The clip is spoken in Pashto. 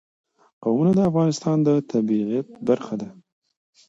قومونه د افغانستان د طبیعت برخه ده.